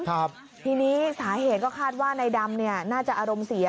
ทีนี้สาเหตุก็คาดว่านายดำเนี่ยน่าจะอารมณ์เสีย